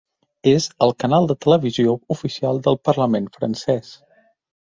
És el canal de televisió oficial del parlament francès.